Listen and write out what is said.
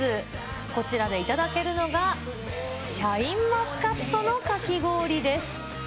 こちらで頂けるのが、シャインマスカットのかき氷です。